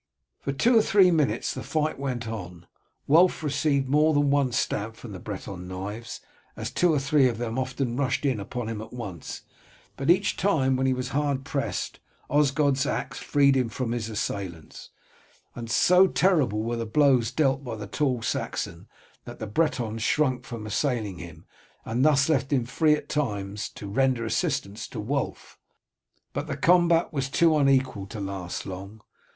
For two or three minutes the fight went on. Wulf received more than one stab from the Breton knives, as two or three of them often rushed in upon him at once, but each time when he was hard pressed Osgod's axe freed him from his assailants, for so terrible were the blows dealt by the tall Saxon that the Bretons shrank from assailing him, and thus left him free at times to render assistance to Wulf. But the combat was too unequal to last long.